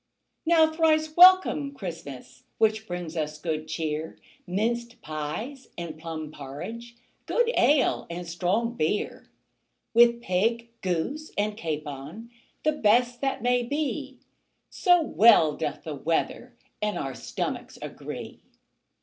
Now thrice welcome, Christmas, Which brings us good cheer, Minced pies and plum porridge, Good ale and strong beer; With pig, goose, and capon, The best that may be, So well doth the weather And our stomachs agree.